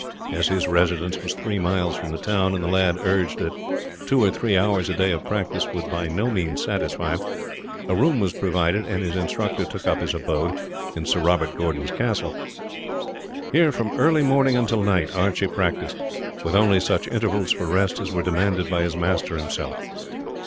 As his residence was three miles from the town, and the lad urged that two or three hours a day of practice would by no means satisfy him, a room was provided, and his instructor took up his abode in the castle. Here, from early morning until night, Archie practised, with only such intervals for rest as were demanded by his master himself.